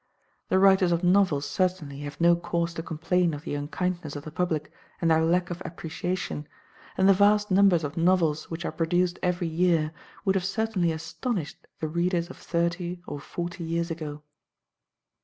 The writers of novels certainly have no cause to complain of the unkindness of the public and their lack of appreciation, and the vast numbers of novels which are produced every year would have certainly astonished the readers of thirty or forty years ago.